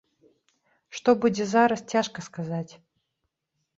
Што будзе зараз, цяжка сказаць.